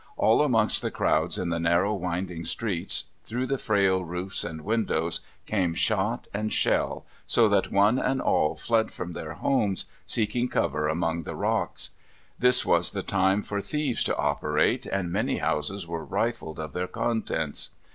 All amongst the crowds in the narrow, winding streets, through the frail roofs and windows, came shot and shell, so that one and all fled from their homes, seeking cover among the rocks. This was the time for thieves to operate, and many houses were rifled of their contents.